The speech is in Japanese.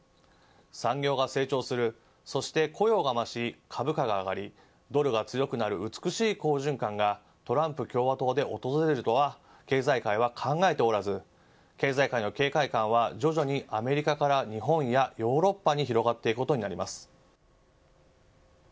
産業が成長するそして雇用が増し株価が上がりドルが強くなる美しい好循環がトランプ共和党で訪れるとは経済界は考えておらず経済界の警戒感は徐々にアメリカから日本やヨーロッパに広がっていくことになります。